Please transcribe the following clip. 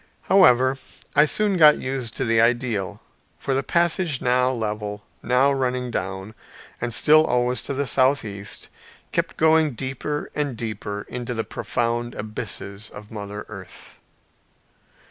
However, I soon got used to the ideal for the passage now level, now running down, and still always to the southeast, kept going deeper and deeper into the profound abysses of Mother Earth.